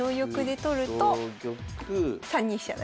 ３二飛車成。